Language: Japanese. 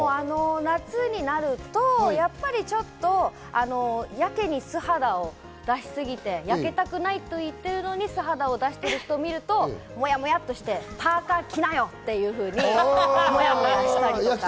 夏になるとやっぱりちょっとやけに素肌を出しすぎて、やけたくないと言っているのに素肌を出している人を見るともやもやとして、パーカー着なよというふうにもやもやしたり。